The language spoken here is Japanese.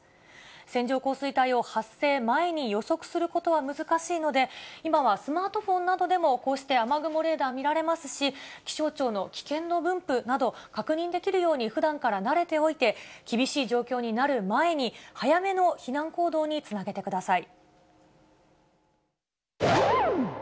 線状降水帯を発生前に予測することは難しいので、今はスマートフォンなどでもこうして雨雲レーダー見られますし、気象庁の危険度分布など確認できるようにふだんから慣れておいて、厳しい状況になる前に、早めの避難行動につなげてください。